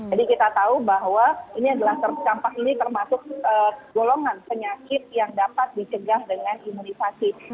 jadi kita tahu bahwa sampah ini termasuk golongan penyakit yang dapat dicegah dengan imunisasi